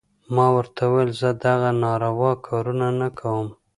ما ورته وويل زه دغه ناروا کارونه نه کوم.